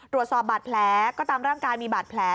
ตรวจสอบบาดแผลก็ตามร่างกายมีบาดแผล